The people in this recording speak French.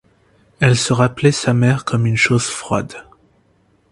Elle se rappelait sa mère comme une chose froide.